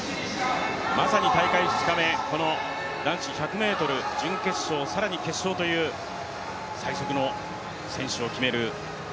まさに大会２日目、この男子１００ｍ準決勝、更に決勝という最速の選手を決める